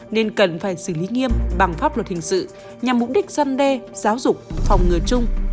nên cần phải xử lý nghiêm bằng pháp luật hình sự nhằm mục đích dân đe giáo dục phòng ngừa chung